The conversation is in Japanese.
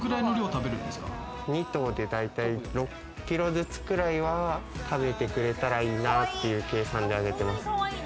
２頭で大体６キロずつくらいは食べてくれたらいいなという計算であげてます。